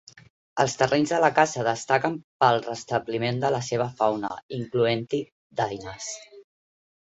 Els terrenys de la casa destaquen pel restabliment de la seva fauna, incloent-hi daines.